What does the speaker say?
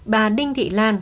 bà đinh thị lan